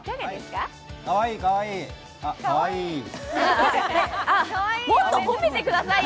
かわいい、かわいい。